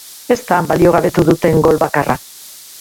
Ez da baliogabetu duten gol bakarra.